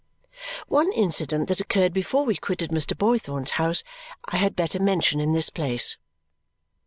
One incident that occurred before we quitted Mr. Boythorn's house, I had better mention in this place.